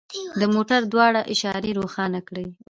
د موټر دواړه اشارې روښانه کړئ